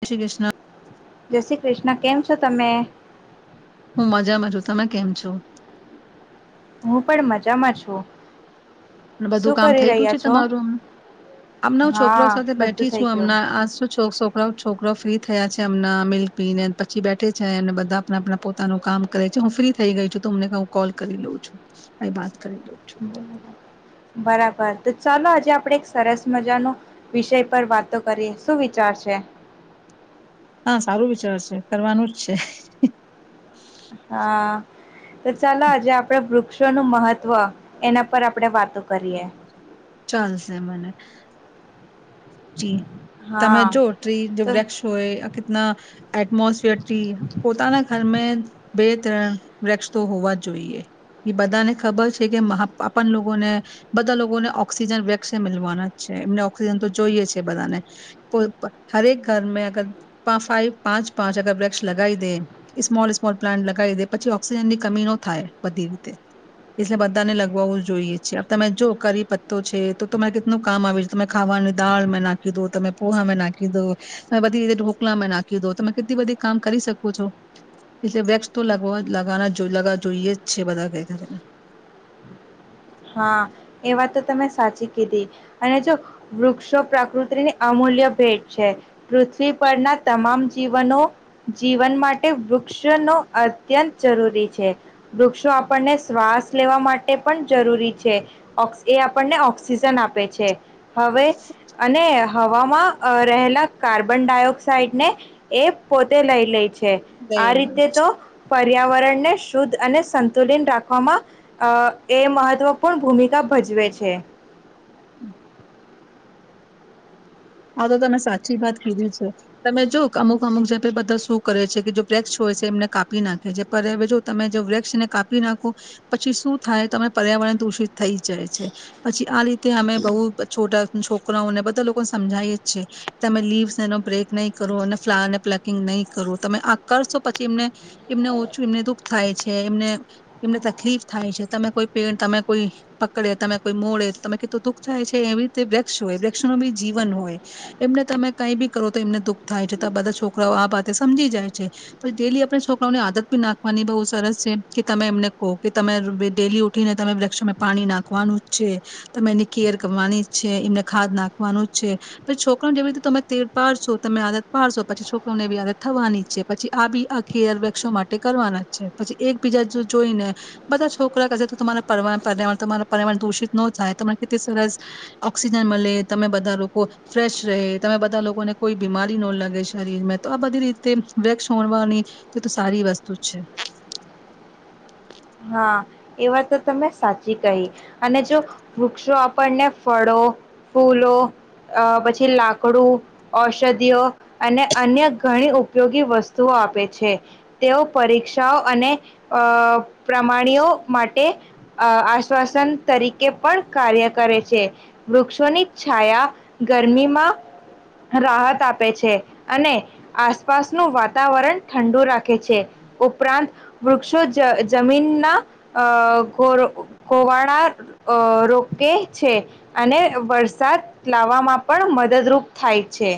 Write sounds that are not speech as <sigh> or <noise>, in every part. જય શ્રી કૃષ્ણ જય શી કૃષ્ણ. ના કેમ છો તમે? હું મજામાં છું તમે કેમ છો? હું પણ મજામાં છો. બધું શું કામ કરી થઈ ગયું રહ્યા છે તમારુંમ અમને હું છોકરાઓ હા સાથે બધું બેઠી થઈ છું અમ ગયું આ છો છોકરો ફ્રી થયા છે એમના મિલકપીને પછી બેઠે છે અને બધા આપણા આપ પોતાનું કામ કરે છે હું ફ્રી થઈ ગઈ છું અમને હું કોલ કરી લઉ છું એ વાત કરી દઉં છું. બરાબર તો ચાલો આજે આપડે એક સરસ મજાનો વિષય પર વાતો કરીએ શું વિચાર છે. હા સારું વિચાર છે કરવાનું જ છે હા. તો ચાલ આજે આપડે. વક્ષો નું મહત્વ એના પર આપણે વાતો કરીએ. ચાશે મને. જી. તમે હા જો ટ્રી જો તો વૃક્ષ હોય કેતના એટમોસફિયર ટ્રી પોતાના ઘરમાં. બે ત્રણ વૃક્ષ તો હોવા જ જોઈએ એ બધાને ખબર છે કેપન લોકોને બધા લોકોને ઓક્સિજન વૃક્ષ મલવાના જ છે એમને ઓક્સિજન તો. જોઈએ છે બધાને હરેક ઘર અગર ફાઈવ પાંચ પાંચ અગર વૃક્ષ લગાવી દે સ્મોલ સ્મોલ પ્લાન્ટ લગાવી દે પછી ઓક્સિજન ની કમી નો થાય બધી રીતે એટલે બધાને લગાવવું જોઈએ છેીએ તમે જો કરી પત્તો છે તો તરે કેટલું કામ આવ તમે ખાવાનું. દાળ માં નાખી દો, તમે પોહા માં નાખી દો, તમે બધી રીતે ઢોકલા માં નાખી દો. તમે કેટલી બધી કામ કરી શકો છો એટલે વેક્સ તો લ લવાના લગ જોઈએ જ છે બધા હા એ વાત તો તમે સાચી કીધી અને જો વૃક્ષો પ્રકૃતિની અમૂલ્ય ભેટ છે. પૃથ્વી પરના તમામ જીવનો જીવન માટે વૃક્ષ નો અત્યંત જરૂરી છે. વૃક્ષો આપણને શ્વાસ લેવા માટે પણ જરૂરી છે ઓક્સ એ આપણને ઓક્સિજન આપે છે. હવે અને હવામાં રહેલા કાર્બન ડાયોક્સાઈડને એ પોતે લઈ લે છે. દઈ આ લો રીતે છે તો પર્યાવરણને શુદ્ધ અને સંતુલીન રાખવામાં અ એ મહત્વપૂર્ણ ભૂમિકા ભજવે છે. હા તો તમે સાચી વાત કીધી છે. તમે જો અમુક અમુક જે બધા શું કરે છે કે, જે વેક્સ હોય છે એમને કાપી નાખે છે. જો તમે જો વેક્સ ને કાપી નાખો પછી શું થાય તમે પર્યાવરણ દુષિત થઈ જાય છે પછી આ રીતે અમે બહુ છોરા છોકરાઓને બધા લોકો સમજાય જ છે. તમે લીવ્સ એનો બ્રેક નહીં કરો અને ફ્લાવર ને પ્લકિંગ નહીં કરો. તમે આ કરશો પછી એમને એમને ઓછું એમને દુઃખ થાય છે, એમને એમને તકલીફ થાય છે. તમે કોઈ પેડ તમે કોઈ પકડે, તમે કોઈ મોડે તમે કેટલું દુઃખ થાય છે. એવી રીતે વૃક્ષ હોય વૃક્ષનું બી જીવન હોય. એમને તમે કઈ બી કરો તો એમને દુઃખ થાય છે. તો આ બધા છોકરાઓ આ વાતે સમજી જાય છે પણ ડેલી આપણે છોકરાઓની આદત બી નાખવાની બો સરસ છે કે તમે એમને કહો કે તમે ડેલી ઉઠીને તમે વૃક્ષ પાણી નાખવાનું છે. તમે એની કેર કરવાની છે, એમને ખાદ નાખ કરવાનું જ છે. પછી છોકરાને જેવી રીતે તમે ટેવ પાડશો તમે આદત પાડશો પછી છોકરા ને એવી આદત થવાની છે. પછી આ બી આ કેર વૃક્ષો માટે કરવાના છે. પછી એકબીજા જો જોઈને બધા છોકરા કરશે તો તમારા પરવા પર્યાવરણ તમારા પર્યાવરણ દુષિત ન થાય તમને કેટલી સરસ ઓક્સિજન મળે. તમે બધા લોકો ફ્રેશ રેય, તમે બધા લોકોને કોઈ બીમારી ન લગે શરીરમાં તો આ બધી રીતે વૃક્ષ હોણવાની તો સારી વસ્તુ છે. હા એ વાત તો તમે સાચી કહી અને જો વૃક્ષો આપણને ફળો, ફૂલો અ પછી લાકડું ઔષધિઓ અને અન્ય ઘણી ઉપયોગી વસ્તુઓ આપે છે. તેઓ પરીક્ષાઓ અને અ પ્રમાણીઓ માટે અ આશ્વાસન તરીકે પણ કાર્ય કરે છે. વૃક્ષોની છાયા ગરમીમાં રાહત આપે છે અને આસપાસનું વાતાવરણ ઠંડુ રાખે છે ઉપરાંત વૃક્ષો જ જમીનના અ ઘોર ગોવાડા અ રોકે છે અને વરસાદ લાવવામાં પણ મદદરૂપ થાય છે.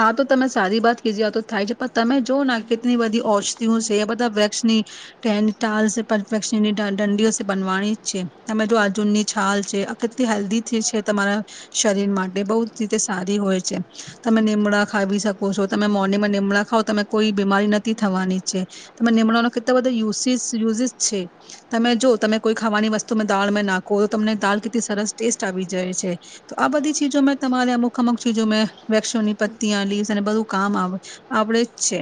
હા તો તમે સારી વાત કીધી આ તો થાય છે પણ તમે જોવ ને કેટલી બધી ઔષધિઓ છે બધા વૃક્ષ ની ટેન ટાલસ ને <unintelligible> વૃક્ષની દંડીઓ છે બનવાની જ છે. તમે જો આજુનની છાલ છે આ કેટલી હેલ્ધી છે તમારા શરીર માટે બો જ રીતે સારી હોય છે. તમે નિમડા ખાવી શકો છો. તમે મોર્નિંગમાં નિમડા ખાવઓ તમે કોઈ બીમારી નથી થવાની છે. તમે નિમડાનો કેટલો બધો યુસીસ યુઝીસ છે. તમે જો તમે કોઈ ખાવાની વસ્તુ દાળ માં નાખો તો તમને દાળ કેટલી સરસ ટેસ્ટ આવી જાય છે. તો આ બધી ચીજો મેં તમારે અમુક અમુક ચીજો મેં વૃક્ષોની પત્તિયા, લીસ અને બધું કામ આવ આવડે જ છે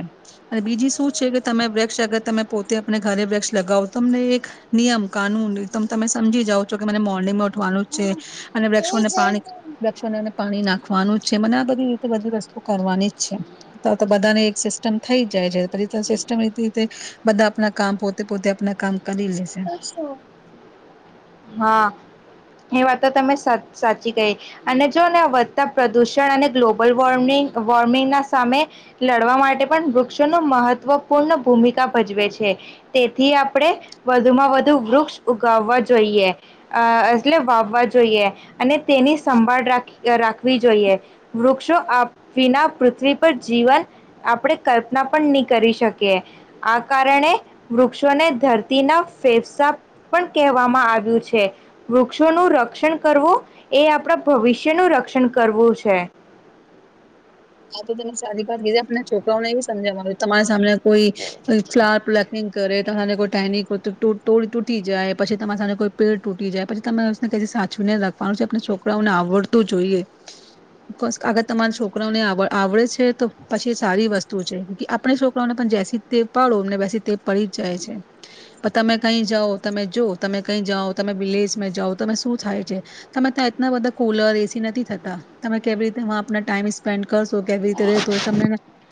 અને બીજી શું છે કે તમે વૃક્ષ અગર તમે પોતે અપને ઘરે વૃક્ષ લગાવો તમને એક નિયમ કાનૂન તમે સમજી જાવ છો કે મને મોર્નિંગમાં ઉઠવાનું જ છે અને વૃક્ષોને પાણી વૃક્ષોને પાણી નાખવાનું જ છે. મને આ રીતે બધી વસ્તુ કરવાની જ છે અ તો બધા ને એક સિસ્ટમ થઈ જ જાય છે પછી સિસ્ટમ એ રીતે બધા આપના કામ પોતે પોતે આપના કામ કરી લેશે. હા એ વાત તો તમે સાચ સાચી કહી અને જો ને વધતા પ્રદુષણ અને ગ્લોબલ વોર્મિંગ વોર્મિંગ ના સામે લડવા માટે પણ વૃક્ષો નું મહત્વ પૂર્ણ ભૂમિકા ભજવે છે તેથી આપણે વધુમાં વધુ વૃક્ષ ઉગાવવા જોઈએ. અ એટલે વાવવા જોઈએ અને તેની સંભાળ રાખ રાખવી જોઈએ. વૃક્ષો આપ વિના પૃથ્વી પર જીવન આપણે કલ્પના પણ ની કરી શકયે આ કારણે વૃક્ષોને ધરતીના ફેફસા પણ કહેવામાં આવ્યું છે. વૃક્ષોનું રક્ષણ કરવું એ આપણા ભવિષ્યનું રક્ષણ કરવું છે. આ તો તમે સારી વાત કીધી આપણને છોકરાઓને એ સમજવાનું તમારા સામેને કોઈ ફ્લાવર પ્લકિંગ ગ કરે, કોઈ ટેની તૂટી જાય પછી તમારા સામે કોઈ પેડ તૂટી જાય પછી તમારે સાચવીને રાખવાનું છે. આપડા છોકરાઓને આવડતું જોઈએ આગળ તમારા છોકરાઓને આવ આવડે છે, તો પછી સારી વસ્તુ છે કેમકે આપણે છોકરાને પણ જેસી ટેવ પાડો અમને વસી તે પડી જ જાય છે પણ તમે કઈ જાઓ તમે જો તમે કઈ જાઓ, તમે વિલેજ માં જાઓ તમે શું થાય છે. તમે ત્યાં એટલા બધા કુલર એસી નથી થતા. તમે કેવી રીતે વાહ આપના ટાઈમ સ્પેન્ડ કરશો કેવી રીતે રતો હોય તમ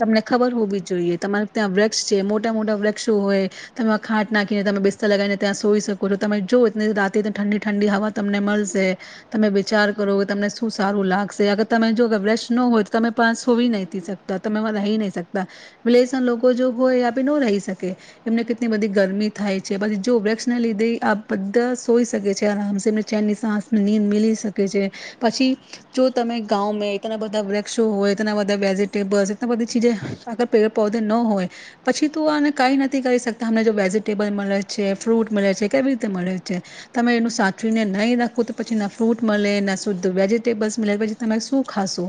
તમને ખબર હોવી જોઈએ તમારે ત્યાં વૃક્ષ છે. મોટા મોટા વૃક્ષો હોય તમે ખાટ નાખીને, તમે બિસ્તર લગાવીને ત્યાં સોઈ શકો. તમે જો એ રાતે ઠંડી ઠંડી હવા તમને મળશે તમે વિચાર કરો કે તમને શું સારું લાગશે અગર તમે જો વૃક્ષ ન હોય તમે પા સોવી નહી શકતા, તમેમાં રહી નહી શકતા. વિલેસ ના લોકો જો હોય આપી નો રહી શકે એમને કેટલી બધી ગરમી થાય છે પછી જો વૃક્ષને લીધે આ બધા સોઈ શકે છે આરામ સે, એમને ચેનની સાસ નીંદ મીલી શકે છે પછી જો તમે ગામ મે ઇતના બધા વૃક્ષ વૃક્ષો હોય ઇતના બધા વેજીિટેબલ્ ઇતના બધા ચીજે અગર પેડ પધે ન હોય પછી તો આને કઈ નથી કરી શકતા. અમને જો વેજીિટેબલ મળે છે, ફ્રૂટ મળે છે કેવી રીતે મળે છે. તમે એનું સાચવીને નહી રાખો તો પછી ના ફ્રૂટ મળે, ના શુદ્ધ વેજીિટેબલ્સ મળે પછી તમે શું ખાશો?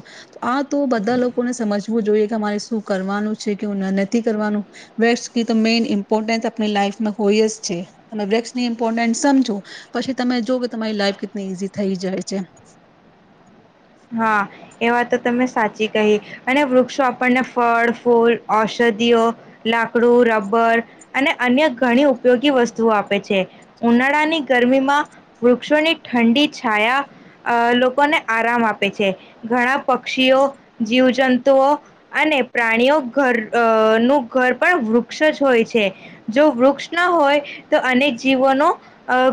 આ તો બધા લોકોને સમજવું જોઈએ કે અમારે શું કરવાનું છે, કેવું નથી કરવાનું વૃક્ષ ક તો મેઈન ઇમ્પોર્ટન્સ આપણી લાઈફમાં હોય જ છે. તમે વૃક્ષની ઇમ્પોર્ટન્સ સમજો પછી તમે જો કે તમારી લાઈફ કેટલી ઈઝી થઈ જાય છે. હા. એ વાત તો તમે સાચી કહી અને વૃક્ષો આપણને ફળ, ફૂલ, ઔષધિઓ, લાકડું, રબર અને અન્ય ઘણી ઉપયોગી વસ્તુઓ આપે છે. ઉનાળાની ગરમીમાં વૃક્ષોની ઠંડી છાયા અ લોકોને આરામ આપે. ઘણા પક્ષીઓ જીવજંતુઓ અને પ્રાણીઓ ઘર અ નું ઘર પણ વૃક્ષ જ હોય છે. જો વૃક્ષ ના હોય તો અનેક જીવો નો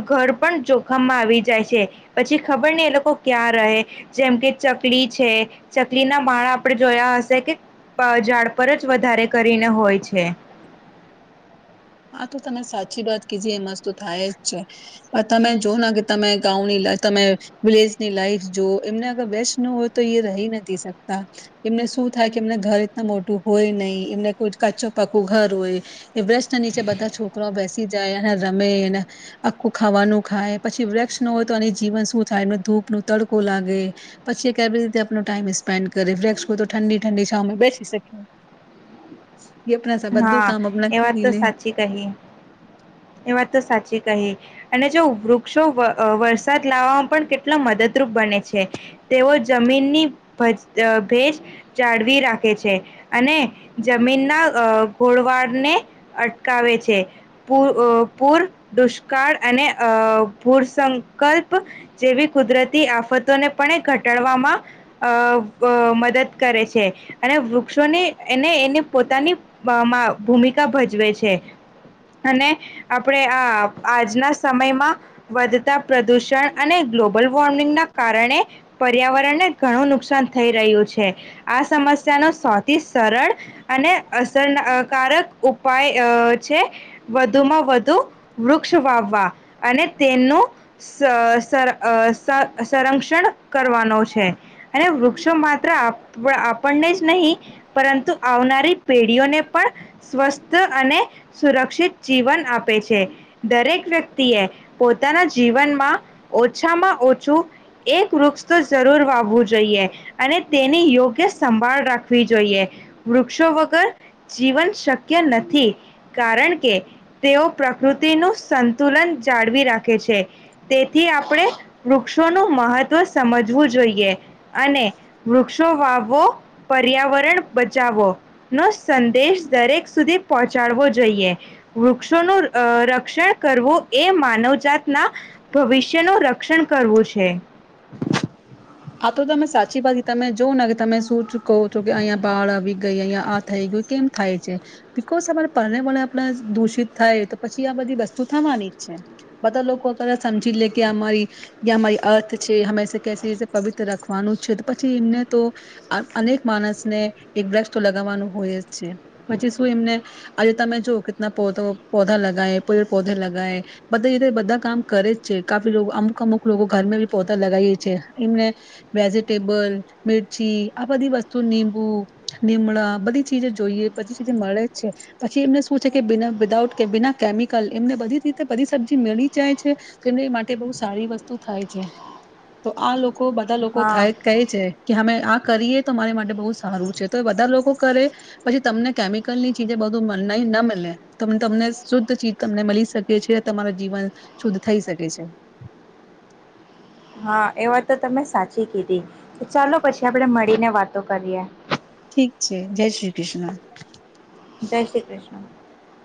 ઘર પણ જોખમમાં આવી જાય છે પછી ખબર નહ એ લોકો ક્યાં રહે? જેમ કે ચકલી છે. ચકલી ના માળા આપણે જોયા હશે કે પ ઝાડ પર જ વધારે કરીને હોય છે. આ તો તમે સાચી વાત કીજી એ મસ્ત થાય જ છે. પણ તમે જો ને કે તમે ગાંવ ની લાઇફ, તમે વિલેજની લાઈફ જો એમને અગર બેસ્ટ નું હોય તો એ રહી નથી શકતા એમને શું થાય કે એમને ઘર એટ મોટું હોય નહ એમને કોઈ કાચો પાકું ઘર હોય એ વેસ્ટ નીચે બધા છોકરાઓ બેસી જાય અને રમેને આખું ખાવાનું ખાય પછી વૃક્ષ ન હોય તો અને જીવન શું થાય. એમને ધૂપ નો તડકો લાગે પછી કેવી રીતે આપનો ટાઈમ સ્પેન્ડ કરે. વૃક્ષ હોય તો ઠંડી ઠંડી છાવ માં બેસી શકે. ઈ આપણા સે બધું હા કામ આપના એ વાત તો સાચી કહી એ વાત તો સાચી કહી અને જો વૃક્ષો વરસાદ લાવવામાં પણ કેટલો મદદરૂપ બને છે તેઓ જમીનની ભેજ જાળવી રાખે છે અને જમીનના ઘોળવાડને અટકાવે છે પ પૂર દુષ્કાળ અને અ ભૂર સંકલ્પ જેવી કુદરતી આફતોને પણ ઘટાડવામાં અ મદદ કરે છે અને વૃક્ષોની એને એની પોતાની ભૂમિકા ભજવે છે અને આપણે આ આજના સમયમાં વધતા પ્રદુષણ અને ગ્લોબ ગ્લ વોર્મિંગના કારણે પર્યાવરણને ઘણું નુકસાન થઈ રહ્યું છે આ સમસ્યા ન સૌથી સરળ અને અસરકારક ઉપાય છે વધુમાં વધુ વૃક્ષ વાવવા અને તેનું સંરક્ષણ કરવાનો છે અને વૃક્ષો માત્ર આપણને જ નહીં પરંતુ આવનારી પેઢીઓને પણ સ્વસ્થ અને સુરક્ષિત જીવન આપે છે દરેક વ્યક્તિએ પોતાના જીવનમાં ઓછામાં ઓછું એક વૃક્ષ તો જરૂર વાવવું જોઈએ અને તેની યોગ્ય સંભાળ રાખવી જોઈએ વૃક્ષો વગર જીવન શક્ય નથી કારણ કે તેઓ પ્રકૃતિનું સંતુલન જાળવી રાખે છે તેથી આપણે વૃક્ષોનું મહત્વ સમજવું જોઈએ અને વૃક્ષો વાપ પર્યાવરણ બચાવો નો સંદેશ દરેક સુધી પહોંચાડવો જોઈએ વૃક્ષોનું રક્ષણ કરવું એ માનવજાત ના ભવિષ્ય ન રક્ષણ કરવું છે આ તો તમે સાચી વાત તમે જોઓ ને કે તમે શું કહો છો કે અહીિયાયા બાળ આવી ગઈ અહીંયા આ થઈ ગયું કેમ થાય છે બિકઝ અરે પરણે વણે આપણે દૂષિત થાય તો પછી આ બધી વસ્તુ થવાની જ છે બધા લોકો ત સમજી લે કે અમારી અમારી અર્થ છે હંમેશા કે પવિત્ર રાખવાનું છે તો પછી એમને તો અનેક માણસને એક બ્રક્ષ તો લગાવવાનું હોય જ છે પછી શું એમને આજે તમે જો કેના પધા લગાય પડ પધા લગાય બધા રીતે બધા કામ કરે જ છે કાફી અમુક અમુક લોકો ઘર બી પધા લગાવીએી છે એમને વેજીટેબલ મિરચી આ બધી વસ્તુ નિીંબુ નિીમડા બધી ચીજ જોઈએ બધી ચીજે મળે છે પછી એમને શું છે કેના વિધાઉટ બના કેમિકલ એમને બધી રીતે બધી સબ્જી મેળી જાય છે એમને એ માટે બહુ સારી વસ્તુ થાય છે આ લોકો બધા લોકો હા થાય કહે છે કે હમે આ કરીએ તો મારી માટે બહુ સારું છે તો એ બધા લોકો કરે પછી તમને કેમિકલની ચીજે બધું મનાય ન મળે તો તમને શુદ્ધ ચીજ તમને મળી શકે છે તમાર જીવન શુદ્ધ થઈ શકે છે હા એ વાત તો તમે સાચી કીધી ચાલો પછી આપડે મળીને વાતો કરીએ ઠીક છે જય શ્રી કૃષ્ણ જય શ્રી કૃષ્ણ.